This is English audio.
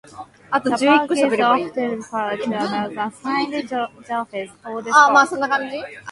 The park is often referred to as Saint Joseph's oldest park.